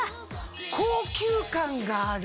高級感がある。